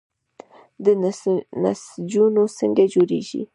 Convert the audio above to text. نسجونه څنګه جوړیږي؟